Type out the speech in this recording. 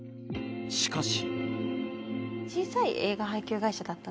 しかし。